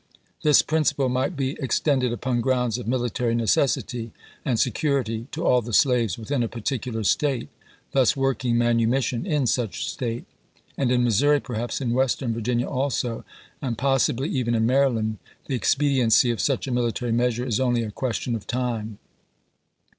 This principle might be extended upon grounds of military necessity and security to all the slaves within a particular State, thus working manumis sion in such State ; and in Missouri, perhaps in Western Virginia also, and possibly even in Maryland, the expedi ency of such a military measure is only a question of time.